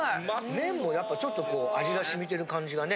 麺もやっぱちょっとこう味が染みてる感じがね。